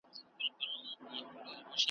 چي ستا په مخ کي د خالق د کور ښکلا ووینم `